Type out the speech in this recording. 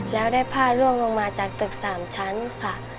แล้วได้ผ้าล่วงลงมาจากตึก๓ชั้นค่ะ